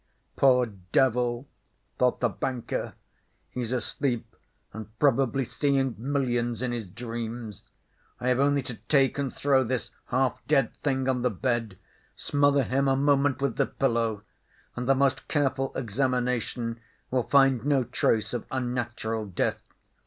"Poor devil," thought the banker, "he's asleep and probably seeing millions in his dreams. I have only to take and throw this half dead thing on the bed, smother him a moment with the pillow, and the most careful examination will find no trace of unnatural death.